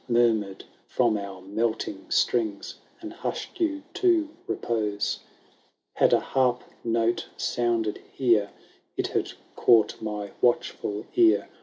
Murmured from our melting strings, And hushed you to repose. Had a harp note sounded here. It had caught my watchful ear.